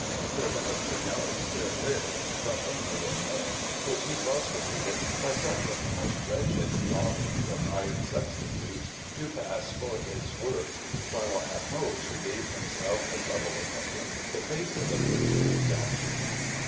Sir Godfrey Kneller still lived, but only in name, which he prostituted by suffering the most wretched daubings of hired substitutes to pass for his works, while at most he gave himself the trouble of painting the face of the person who sat to him.